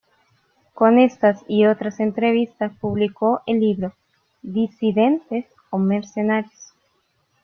Con estas y otras entrevistas publicó el libro "¿Disidentes o Mercenarios?".